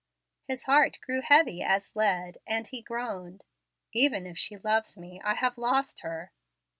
His heart grew heavy as lead, and he groaned, "Even if she loves me I have lost her."